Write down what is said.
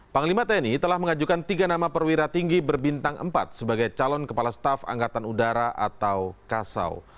panglima tni telah mengajukan tiga nama perwira tinggi berbintang empat sebagai calon kepala staf angkatan udara atau kasau